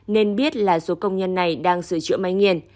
nên biết là số công nhân này đang sửa chữa máy nghiền